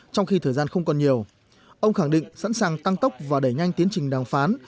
trong khi thời gian không còn nhiều ông khẳng định sẵn sàng tăng tốc và đẩy nhanh tiến trình đàm phán